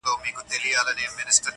• کي به ناڅي ښکلي پېغلي -